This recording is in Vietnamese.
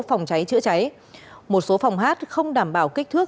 phòng cháy chữa cháy một số phòng hát không đảm bảo kích thước